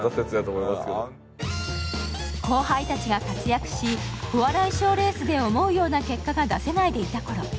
後輩たちが活躍しお笑い賞レースで思うような結果が出せなかったころ